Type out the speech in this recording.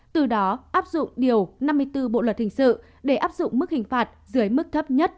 từ đó áp dụng điều năm mươi bốn bộ luật hình sự để áp dụng mức hình phạt dưới mức thấp nhất